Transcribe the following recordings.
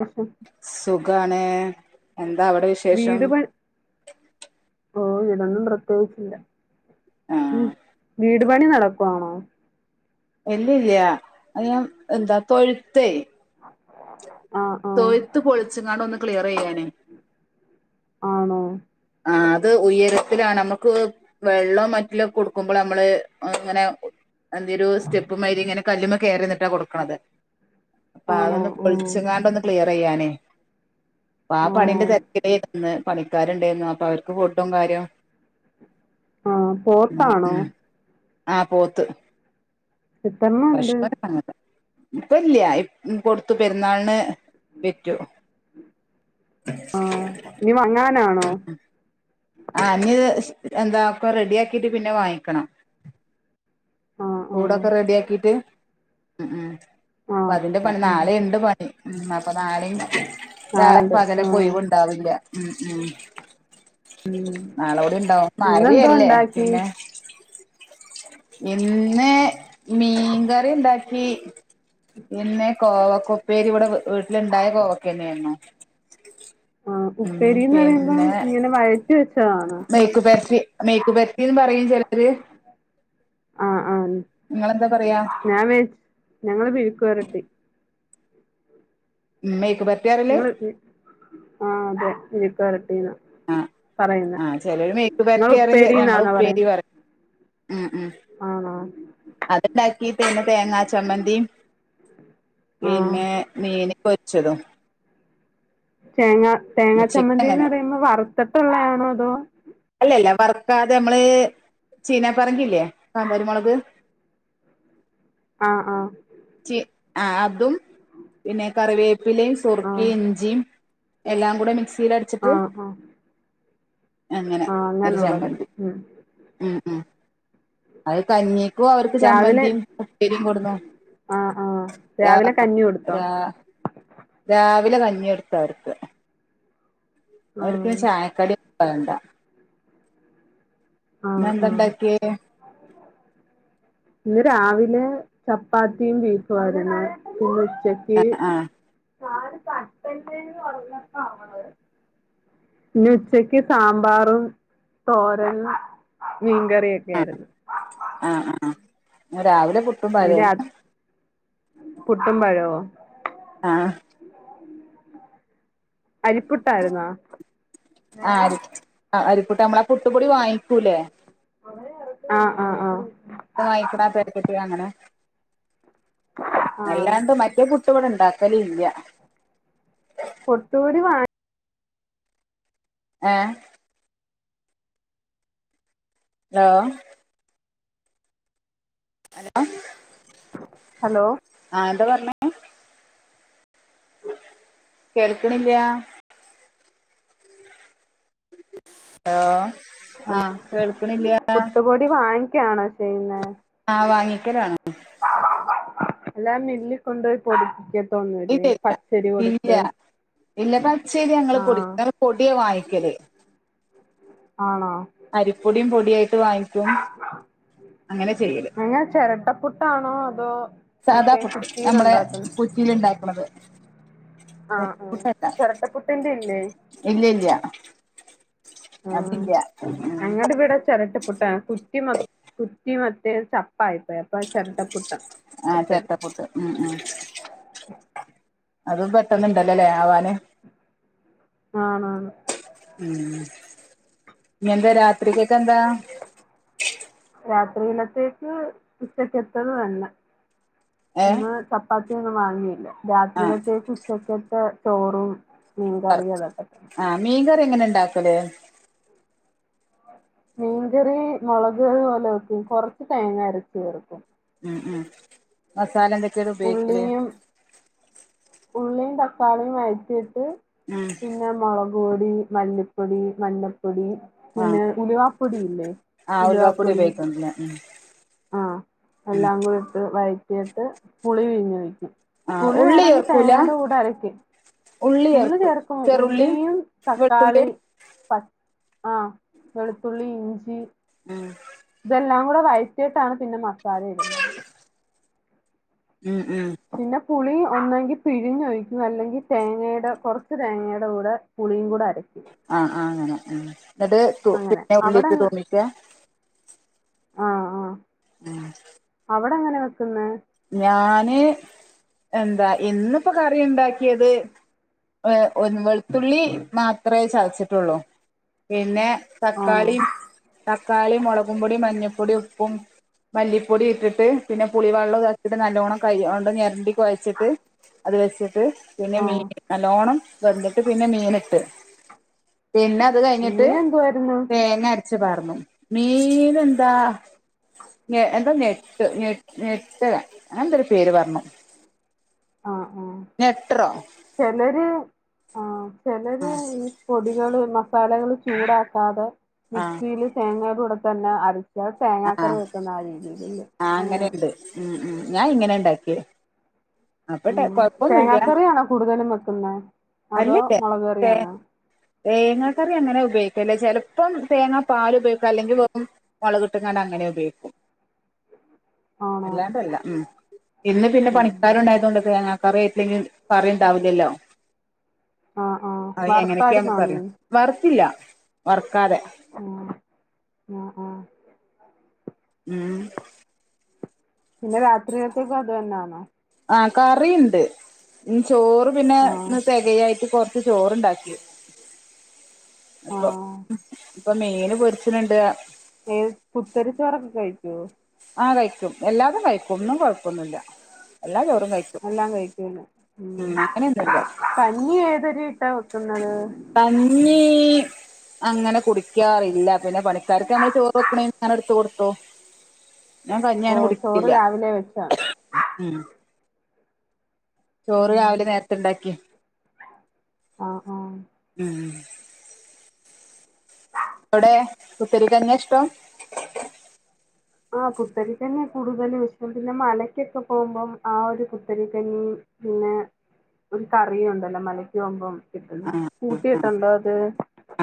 പ്രശ്നം സുഖാണ് എന്താ അവിടെ വിശേഷം വീട് പണി ഓ ഇവിടൊന്നും പ്രത്യേകിച്ചില്ല മ് ആഹ് വീട് പണി നടക്കുവാണോ ഇല്ലില്ല അയം എന്താ തൊഴുത്തേ ആഹ് ആഹ് തൊഴുത്ത് പൊളിച്ച് [unintelligible] ക്ലിയറ് ചെയ്യാനെ ആണൊ അത് ഉയരത്തിലാണ് നമുക്ക് വെള്ളവും മറ്റില്ലെ കൊടുക്കുമ്പോള് നമ്മള് ഇങ്ങനെ അതിന്റൊരു സ്റ്റെപ്പ് മായിരി ഇങ്ങനെ കല്ലുമ്മേ കേറി നിന്നിട്ടാ കൊടുക്കണത്. അപ്പ ആണോ അതൊന്ന് ഉം പൊളിച്ച് ങ്ങാണ്ടൊന്ന് [unintelligible] പ്പ ആ ആണോ പണീന്റെ തെരക്കിലയിരുന്ന് പണിക്കാരുണ്ടാരുന്നു അപ്പം അവർക്ക് ഫുഡും കാര്യോം ആ പോത്താണോ ആ പോത്ത് എത്രണ്ണം ഒണ്ട് പ്പം ഇല്ല്യാ ഇപ് കൊടുത്തു പെരുന്നാളിന് വിറ്റു ആഹ് ഇനി വാങ്ങാനാണോ ആ ഇനി അത് എന്താ പ്പ റെഡിയാക്കീട്ട് പിന്നെ വാങ്ങിക്കണം. ആഹ് ആഹ് കൂടക്കെ റെഡിയാക്കീട്ട് ആ പ്പ അതിന്റെ ആഹ് പണി ഉം നാളെയുണ്ട് പണി മ്മ് അപ്പ നാളെയും ആ നാളെണ്ട് പകലൊക്കെ ആഹ് ഒഴിവുണ്ടാവില്ല ഉം ഉം ഉം നാളെക്കുടി ഉണ്ടാവും മഴ ഇന്നെന്തോ ല്ലെ ഉണ്ടാക്കി പിന്നെ ഇ ഇന്ന് മീൻ കറി ഇണ്ടാക്കി പിന്നെ കോവയ്ക്കുപ്പേരി ഇവിടെ വീട്ടില് ഉണ്ടായ കോവയ്ക്ക തന്നെയാർന്ന് ആഹ് ഉം ഉപ്പേരീന്ന് പറയുമ്പം പിന്നെ ഇങ്ങനെ വഴറ്റി വെച്ചതാണോ മേയ്ക്ക് പേരിട്ട് മേയ്ക്ക് പേരട്ടിയും പറയും ചെലര് ആ ഞാൻ വിചാരിച്ച് ഞങ്ങള് വിഴുക്ക് വരട്ടി മെയ് ഇങ്ങള് ഉം ആ അതെ വിഴുക്ക് വരട്ടിന്ന് ആ ചെലര് മെയ്ക്ക് വരട്ടി പറയും ഞങ്ങള് ഉപ്പേരി പറയും ആ ണോ അത് ഇണ്ടാക്കി പിന്നെ തേങ്ങ ചമ്മന്തിയും ആ പിന്നെ മീന് പൊരിച്ചതും തേങ്ങ തേങ്ങ ഉച്ചക്ക് ചമ്മന്തിന്ന് അങ്ങനെ പറയുമ്പ വറുത്തട്ടുള്ളയാ ണോ അതോ വറുക്കാതെ നമ്മള് ചീന പറങ്കിയില്ലേ കാന്താരി മുളക് ആ ആ ചി ആ ടും പിന്നെ കറിവേ പ്പിലെം ആ സുർക്കയും ഇഞ്ചിയും എല്ലാം കുടെ മിക്സ് മിക്സിയിലടിച്ചട്ടു ആ ആ അങ്ങനെ ആ ഒരു അങ്ങനുള്ളത് ചമ്മന്തി ഉം ഉം ഉം അത് കഞ്ഞിക്ക് അവർക്ക് രാവിലെ ചമ്മന്തിയും പുട്ടിരിയും കൊട്ന്നു ആ ആ രാ രാവിലെ കഞ്ഞി കൊടുത്തോ രാ രാ വിലെ കഞ്ഞി കൊടുത്ത അവർക്ക് ആ അവർക്ക് ചായക്കടി വേണ്ട ആ ഇന്നെന്താ ആ ഇണ്ടാക്കിയേ ഇന്ന് രാവി ലെ ചപ്പാത്തിയും ബീഫുമായിരുന്നു പിന്നെ ഉച്ചക്ക് ആഹ് [unintelligible] ഇന്ന് ഉച്ചയ്ക്ക് സാമ്പാറും തോരനും ആഹ് മീൻകറിയൊക്കെയാരുന്നു ആഹ് ആഹ് ഇന്ന് എന്താ ഉണ്ടാക്കിയേ? ആ ആ ആ രാവിലെ പുട്ടും പഴെരുന്നു പുട്ടും പഴവോ ആഹ് അരിപ്പുട്ടായിരുന്നോ ആഹ് അരി അരിപ്പുട്ട് നമ്മളെ പുട്ടുപൊടി വാങ്ങിക്കൂല്ലേ ആ ആ ആ [unintelligible] ആഹ് അല്ലാണ്ട് മറ്റേ പു ട്ട് വടെ ഇണ്ടാക്കലില്ല്യാ പുട്ടുപൊടി വാ ഏ ഹലോ അലോ ഹലോ ആ, എന്താ പറഞ്ഞേ കേൾക്ണില്ല ഹലോ ആ, ഹലോ കേൾക്ണില്ല്യാ ക്ക്യാണൊ ചെയ്യുന്നെ ക്കലാണ് [unintelligible] എല്ലാം മില്ലിൽ കൊണ്ടുപോയി പൊടിപ്പിക്കും. [unintelligible] ഇല്ലില്ല പച്ചരി ഇല്ല കൊടുത്ത് ഇല്ല പച്ചരി ഞങ്ങൾ ആഹ് പൊടിക്കാറില്ല, ഞങ്ങൾ പൊടിയാ വാങ്ങിക്കല് അരിപ്പൊടിം പൊടിയായിട്ട് വാങ്ങി നിങ്ങൾ ചിരട്ടപ്പുട്ടാണോ അതോ സാധാ മറ്റേ പുട്ട് നമ്മളെ കുറ്റിയിലുണ്ടാക്കുന്ന കുറ്റിയില് ഉണ്ടാക്ണത്. ആഹ് ആഹ് ചിരട്ടപ്പുട്ട് അല്ല, ചിരട്ടപ്പുട്ടിന്റെ ഇല്ലേ ഇല്ല ഇല്ല ആഹ് അതില്ല ഉം ഞങ്ങടെ ഇവിടെ ചിരട്ടപ്പുട്ടാ കുറ്റി മ കുറ്റി മതി. [inaudible] പ്പായിപ്പെ അപ്പ ചിരട്ടപ്പുട്ടാ ആ എപ്പഴും. ചെരട്ടപ്പുട്ട് ഉം ഉം അതും പെട്ടന്ന് ഉണ്ടല്ലല്ലേ ആവാൻ ആണാണ് ഉം ഇനി എന്താ രാത്രിക് ക്കെന്താ രാത്രിയിലത്തേക്ക് ഉച്ചക്കത്തത് തന്നെ ഏ ഇന്ന് ചപ്പാത്തി ഒന്നും വാങ്ങിയില്ല ആ രാത്രിയിലത്തേക് ഉച്ചക്കത്തെ ചോറും മീൻ കറിയും അതൊക്കെ തന്നെ കറി എങ്ങനാ ഉണ്ടാക്കൽ മീൻകറി മുളക് കറി പോലെ വെക്കും കുറച്ച് തേങ്ങ അരച്ച് ചേർക്കും ആഹ് ആഹ് മസാല എന്താണ് ഉപയോഗിക്കല് ഉള്ളിയും ഉള്ളിയും തക്കാളിയും വഴറ്റിയിട്ട് ഉം പിന്നെ മുളക് മുളക് പൊടി മല്ലി പൊടി മഞ്ഞ പൊ പൊടി ആ പിന്നെ ഉലുവ പൊടി ഇല്ലേ ആ ഉലുവ ഉലുവാപ്പൊടി പൊടി ഉപയോഗിക്കുന്നില്ല ഉം ആഹ് എല്ലാം കൂടെ ഇട്ട് വഴ എന്നിട്ട് പുളി പിഴിഞ്ഞ് ഒഴിക്കും ആ പുളി ഉള്ളി വേണോങ്കിൽ ചേർക്കൂല തേങ്ങാടെ കൂടെ അരക്കും ഉള്ളി ചേർക്കും ഉള്ളിയും വെളുത്തുള്ളി തക്കാളി പ ആഹ് വെളുത്തുള്ളി ഇഞ്ചി ആഹ് എല്ലാം കൂടെ വഴറ്റിയിട്ട് ആണ് പിന്നെ തക്കാളി ഇടുന്നത് മ് മ് പിന്നെ പുളി ഒന്നെങ്കിൽ പിഴിഞ്ഞ് ഒഴിക്കും അല്ലെങ്കിൽ തേങ്ങേടെ കുറച്ചു തേങ്ങേടെ കൂടെ പുളിയും കൂടെ അര ആഹ് ആഹ് അങ്ങനെ [unintelligible] എന്നിട്ട് അങ്ങനെ. പിന്നെ ഉള്ളിയിട്ട് അവിടങ്ങ് ആഹ് ആഹ് ഉം അവിടെ എങ്ങനാ വെക്കുന്നെ ഞാന് എന്താ ഇന്നിപ്പോ കറി ഉണ്ടാക്കിയത് വെളുത്തുള്ളി മാത്രമേ ചതച്ചിട്ടുള്ളു പിന്നെ ആണോ? തക്കാളി തക്കാളി മുളക് പൊടി മഞപോ പൊടി ഉപ്പും മല്ലിപൊടി ഇട്ടിട്ട് പിന്നെ പുളിവെള്ള ട്ടിട്ട് നല്ലോണം കഴുകി കണ്ട് നേരാണ്ടി കോയച്ചിട്ട് അത് വെച്ച് ത് പിന്നെ മീൻ ആഹ്. നല്ലോണം വെന്തിട്ട് പിന്നെ മെൻ ഇട്ട് പിന്നെ അത് നീ കഴിന്നിട്ട് എന്തുവായിരുന്നു? തേങ്ങ അരക്കു ച്ച് പറന്നു മീനെന്താ നെ എന്താ എന്താ നെട്ട് നേറ്റലോ അങ്ങാനെന്തൊരു പേര് പറന്നു അ നെട്രോ ആഹ് ചെലർ ഇ പൊടികൾ മ ലക്കൾ ചൂടാകാതെ ആഹ് മിക്സിൽ തേങ്ങ അര കൂടെത്തന്നെ അരച്ച ആഹ് തേങ്ങക്കറി വെക്കുന്ന അ രിധിയില്ലല്ലേ ആ അങ്ങനെയുണ്ട് ഉം ഉം ഞാൻ ഇങ്ങനെ ഉണ്ടാക്കിയ ഉം തേങ്ങക്കറിയാനെ കുടുതലും വക്ന്നെ അധോ മുളക് കറിയാണെ തേങ്ങ കറി അങ്ങനെ ഉപയോഗിക്കുല ചെലപ്പം തേങ്ങ പാൽ ഉപയോഗിക്കും അല്ലെങ്കിൽ വെറും മുളക് ഇട്ട്ക്കാൻണ്ട് അങ്ങനെ ഉപയോഗിക്കും ആണോ? അല്ലാദല്ല ഹ്മ് ഇന്ന് പിന്നെ ഉം. പണിക്ക ണ്ട് തേങ്ങക്കറി ആയിട്ടില്ലങ്കിൽ കറി ഉണ്ടാവുല്ലല്ലോ ആഹ് ആഹ്. അയി എങനെക്കെ വറുത്തായിരുന്നോ നമ്മുക്കറിയോ മീൻ? വറുത്തില്ല വർ ക്കാതെ ആഹ്. ആഹ് ആഹ്. മ് പിന്നെ രാത്രിക്കക്ക് അദെന്നെന്നോ അകറിണ്ട് ചോർ പിന്നെ ആഹ് ഇന്ന് തെകയായിട്ട് കൊറച്ച ച്ച് ചോർ ഉണ്ടാക്കി അപ്പൊ ആഹ് ഇപ്പ മീൻ പൊരിച്ച്ന്ന്ണ്ട് ഹെ കുത്തരി ചോറൊക്കെ കഴിക്കോ അ കഴിക്കും എല്ലാതും കഴിക്കും ഒന്നും കൊയപ്പൊന്നുല്ല എല്ലാച്ചോറും അ എല്ലാം കഴിക്കുംന് ഉം അങ്ങനെയൊന്നുല്ല കന്നി എധൊരു ഇട്ടാൽ വെക്കുന്നത് കന്നി അങ്ങനെ കുടിക്കാറില്ല പിന്നെ പണിക്ക ക്കാർക്ക് നമ്മൾ ചോർ വെക്ക്‌നീൻ നാനാ എടുത്ത് കൊടുക്കും ട്ടൊ ഞാൻ ഓ കഞ്ഞിങ്ങനെ ചോറ് കുടിക്കില്ല രാവിലെ വെച്ചാ ചോറ് ഉം രാവിലെ നേര്ത്തെണ്ടാക്കി ആഹ് ആഹ് ഉം അവ്ടെ പുത്തരികഞ്യാ ഇഷ്ട്ടം ആ പുത്തരി കഞ്യാ കൂടുതലും വെച്ചോണ്ട് പിന്നെ മലക്കൊക്കെ പോകുമ്പം ആ ഒരു പുത്തരി കഞീ പിന്നേ ഒരു കറിയുണ്ടല്ലോ മലകോവുമ്പോ കിട്ടുന്ന കൂട്ടീട്ട്ണ്ട് ഉം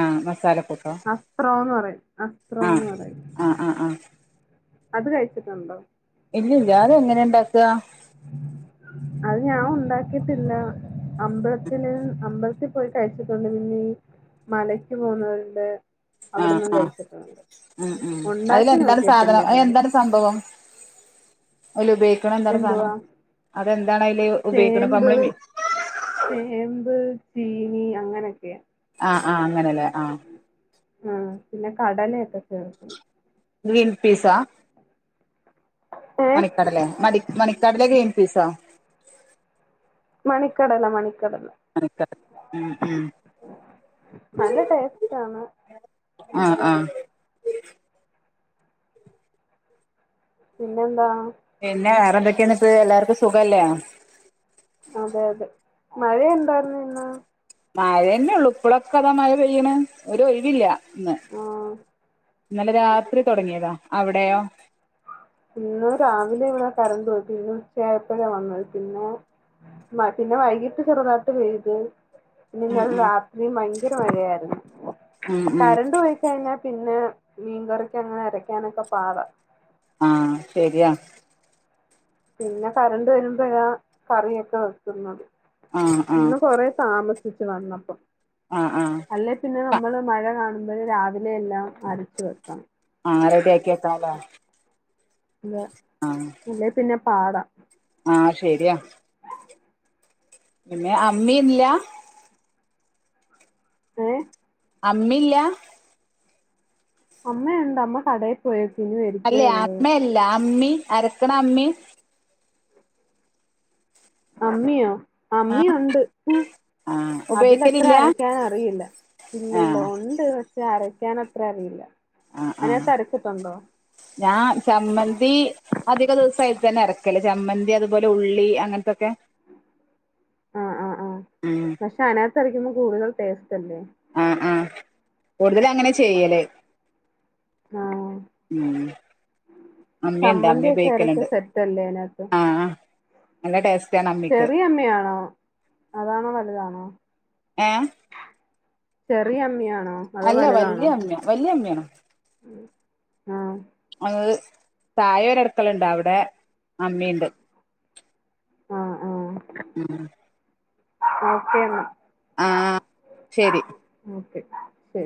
ആ മസാല അത്രോന്നറയും അത്രോന്നറയും ആ ആ ആ അത്‌ കയിച്ചിട്ടുണ്ടോ ഇല്ലില്ല അത്‌ എങ്ങനെ ണ്ടാക ഇത്തില്ല അമ്പലതില് അമ്പൽത്പോയിട്ടേച്ച് തുടങ്ങി മലക്കുപോകുന്നവരില് അ ആ ഉം ഉം ഉണ്ടാക്കി അയിലെന്താണ് നോക്കിയിട്ടില്ല സാധനം ഇതുവരെ. അയെന്താണ് സംഭവം ഓല് ഉപയോഗിക്ക്ണെന്താണ് സാനം എന്തുവാ അതെ ന്ദ് ന്താണ് അയിൽ ഉപയോക്ക്ണെ ഇപ്പ ചേമ്പ് അമ്മൾ മി ചേമ്പ് ചീനി അങ്ങനെ ഒക്കെ അ ആ അങ്ങനെ ലെ ആ പിന്നെ കടലെ ഒക്കെ ചേർക്കും ഗ്രീൻ പീസാ ഏ മണികടലെ മടി മണി കടലെ ഗ്രീൻ പീസോ മണിക്കടല മണി കടല മണിക്കടല ഉം ഉം നല്ല ടെസ്റ്റ്‌ ആണ് ആഹ് ആഹ് പിന്നെന്താ പിന്നെ വെറെന്തെക്കെണ്പ്പ അയ് എല്ലാർക്കും സുഖ അല്ലെ അതെ അതെ മഴ ഇണ്ടായ്ർന്ന് ഇന്ന് മഴന്നെ ഒള്ളു ഇപ്പളൊക്കെതാ മഴ പെയ്യ്ണ് ഒര് ഒഴിവ് ഇല്ല ആ ഇന്നലെ രാത്രി തൊടങ്ങെതാ അവ്ടെയോ [unintelligible] വന്ന് പിന്നെ മ പിന്നെ വൈകിട്ട് ചെറുതായിട്ട് പെയ്ത് ഉം ഇന്നലെ ഉം രാത്രി ഭയങ്കര മഴാര്ന്ന് ഉം ഉം കരണ്ട് പോയികയ്ഞ്ഞാ പിന്നേ മീൻകറിക്കങ്ങനെ അരയ്ക്കാനൊക്കെ പാടാ. ആ ശരിയാ. പിന്നെ കരണ്ട് വരുമ്പഴാ കറിയൊക്കെ വെക്കുന്നത്. ആഹ് ആഹ് ഇന്ന് കൊറേ താമസി സിച്ചു വന്നപ്പം. ആഹ് ആഹ് അല്ലേപ്പിന്നെ ന നമ്മള് മഴ കാണുമ്പഴേ രാവിലെ എല്ലാം അരച്ചുവെക്കണം. ആറരയൊക്കെത്താനൊള്ളതാ ഇല്ല ഇല്ലെപ്പിന്നെ പാടാ. ആ ശരിയാ. പിന്നെ അമ്മേം ഇല്ല. ഏ അമ്മയില്ല്യാ? അമ്മയൊണ്ട്, അമ്മ കടേ പോയേക്കുവാ അല്ലേ അമ്മയല്ല അമ്മി? അരക്കണ അമ്മി. അമ്മിയോ? അമ്മിയൊണ്ട്, ആഹ് അതിലത്ര ഉപയോഗിക്കലില്ല അരക്കാനറിയില്ല. ഇല്ലില്ല ആഹ് ഉണ്ട് പക്ഷെ അരാകാൻ ക്കാനത്ര അറിയില്ല. ആ ആ അതിനകത്ത് അരച്ചിട്ടുണ്ടോ ഞാ ചമ്മന്തി അധികദിവസോതിത്തന്നെ അരക്കുക ക്ക ചമ്മന്തി അതുപോലെ ഉള്ളി ങ്ങനത്തോക്കേ ഉം. വറത്തുരാകുപ്പോ കൂടുതൽ ടേസ്റ്റ്. അല്ലേ ആ ആ കൂടുതലങ്ങനേ ചെയ്യല്. ആ ഉം അമ്മിയുണ്ട് അമ്മി ചമ്മന്തിയൊക്കെഅരച്ച ഉപയോഗിക്കലുണ്ട് സെറ്റല്ലേനാത്ത്? ആഹ് നല്ല ടേസ്റ്റ് ആണ് അമ്മിക്ക് ചെറിയമ്മിയാണോ അതാണോ വലുതാണോ? ഏഹ് ചെറിയമ്മിയ അല്ല വല്ല്യമ്മിയാ വല്ല്യമ്മിയാണ്. [inaudible] ആം അത് താഴെ ഒരു അടുക്കളെണ്ടവിടേ. അമ്മിയുണ്ട്. ഉം...... ഓക്കേ ന്നാ. ആ ശരി. ശരി